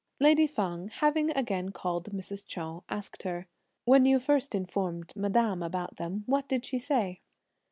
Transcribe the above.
Lady Feng having again called Mrs. Chou, asked her: "When you first informed madame about them, what did she say?"